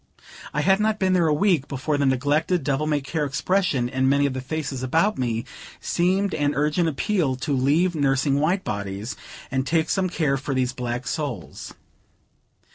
I had not been there a week, before the neglected, devil may care expression in many of the faces about me, seemed an urgent appeal to leave nursing white bodies, and take some care for these black souls.